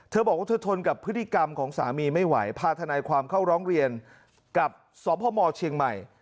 บอกว่าเธอทนกับพฤติกรรมของสามีไม่ไหวพาทนายความเข้าร้องเรียนกับสพมเชียงใหม่